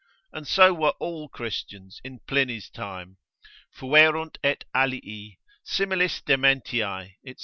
And so were all Christians in Pliny's time, fuerunt et alii, similis dementiae, &c.